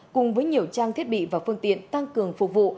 cùng với nhiều trang thiết bị và phương tiện tăng cường phục vụ